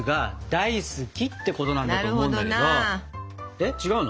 えっ違うの？